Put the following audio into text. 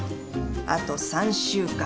あと３週間。